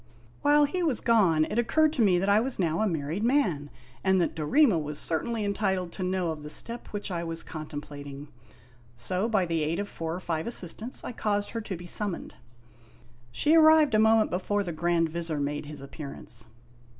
While he was gone it occurred to me that I was now a married man, and that Dorema was certainly entitled to know of the step which I was contemplating. So, by the aid of four or five assis tants, I caused her to be summoned. She arrived a moment before the Grand Vizir made his appearance.